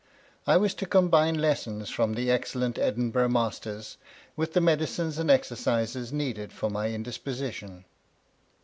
I was to combine lessons from the excellent Edinburgh masters, with the medicines and exercises needed for my indisposition.